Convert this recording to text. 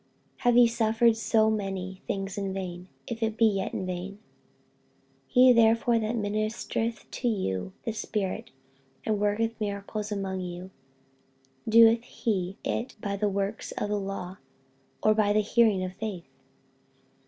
48:003:004 Have ye suffered so many things in vain? if it be yet in vain. 48:003:005 He therefore that ministereth to you the Spirit, and worketh miracles among you, doeth he it by the works of the law, or by the hearing of faith?